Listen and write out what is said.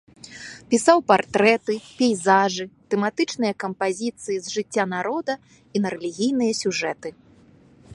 Пісаў партрэты, пейзажы, тэматычныя кампазіцыі з жыцця народа і на рэлігійныя сюжэты.